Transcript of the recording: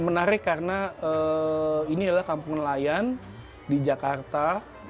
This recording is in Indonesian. menarik karena ini adalah kampung nelayan di jakarta